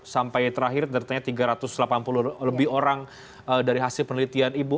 sampai terakhir datanya tiga ratus delapan puluh lebih orang dari hasil penelitian ibu